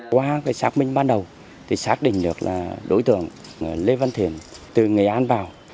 qua xác minh ban đầu xác định được đối tượng lê văn thiền từ nghệ an vào